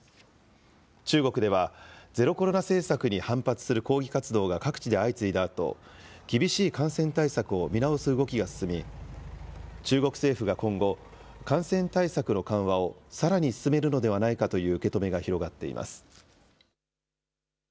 中国では、ゼロコロナ政策に反発する抗議活動が各地で相次いだあと、厳しい感染対策を見直す動きが進み、中国政府が今後、感染対策の緩和をさらに進めるのではないかという受け止めが広がっています。